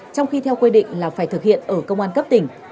trong khi theo quy định là phải thực hiện ở công an cấp tỉnh